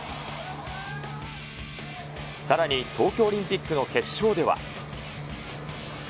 さらに、東京オリンピックの決勝では。